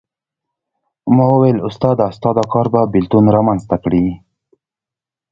ما وویل استاده ستا دا کار به بېلتون رامېنځته کړي.